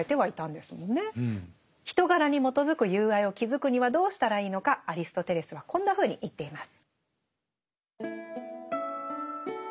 人柄に基づく友愛を築くにはどうしたらいいのかアリストテレスはこんなふうに言っています。